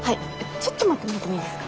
ちょっと待ってもらってもいいですか？